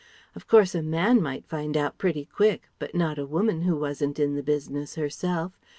Of course a man might find out pretty quick, but not a woman who wasn't in the business herself.